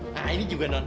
nah ini juga non